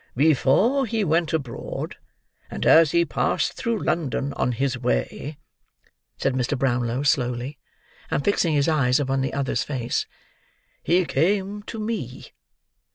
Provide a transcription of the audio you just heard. "Before he went abroad, and as he passed through London on his way," said Mr. Brownlow, slowly, and fixing his eyes upon the other's face, "he came to me."